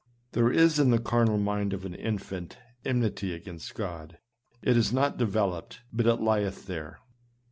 There is in the carnal mind of an infant, enmity against God; it is not developed, but it lieth there.